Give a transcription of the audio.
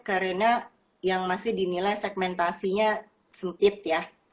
karena yang masih dinilai segmentasinya sempit ya